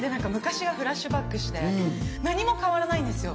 練習の時点で昔がフラッシュバックして、何も変わらないんですよ。